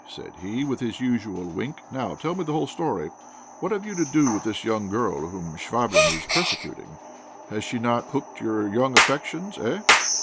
said he, with his usual wink. "Now, tell me the whole story. What have you to do with this young girl whom Chvabrine is persecuting? Has she not hooked your young affections, eh?"